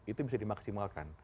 itu bisa dimaksimalkan